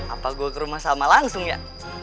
apa gue ke rumah salma langsung ya